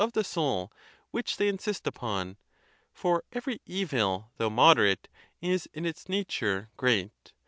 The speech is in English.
101 of the soul which they insist upon; for every evil, though moderate, is in its nature great.